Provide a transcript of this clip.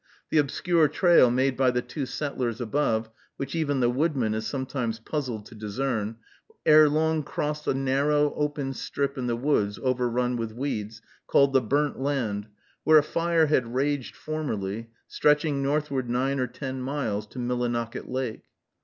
The obscure trail made by the two settlers above, which even the woodman is sometimes puzzled to discern, ere long crossed a narrow, open strip in the woods overrun with weeds, called the Burnt Land, where a fire had raged formerly, stretching northward nine or ten miles, to Millinocket Lake.